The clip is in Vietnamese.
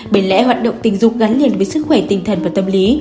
bởi lẽ hoạt động tình dục gắn liền với sức khỏe tinh thần và tâm lý